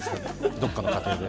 どっかの家庭で。